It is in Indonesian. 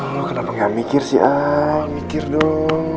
aduh kenapa gak mikir sih ay mikir dong